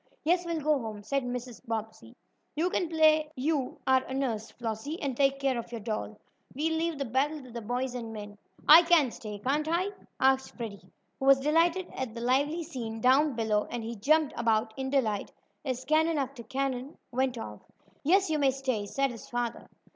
"Yes, we'll go home," said Mrs. Bobbsey. "You can play you are a nurse, Flossie, and take care of your doll. We'll leave the battle to the boys and men." "I can stay, can't I?" asked Freddie, who was delighted at the lively scene down below, and he jumped about in delight as cannon after cannon went off. "Yes, you may stay," said his father.